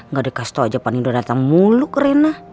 gak ada kasi tau aja mas nino datang mulu ke rena